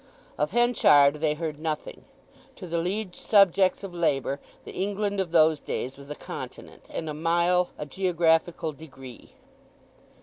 Of Henchard they heard nothing. To the liege subjects of Labour, the England of those days was a continent, and a mile a geographical degree.